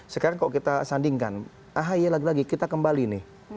sekarang kalau kita sandingkan ahy lagi lagi kita kembali nih